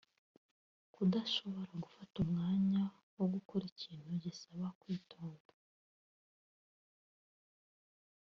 kudashobora gufata umwanya wo gukora ikintu gisaba kwitonda